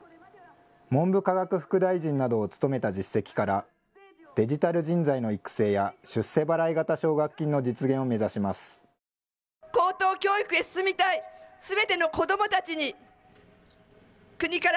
文部科学副大臣などを務めた実績から、デジタル人材の育成や出世払い型奨学金の実現を目指します。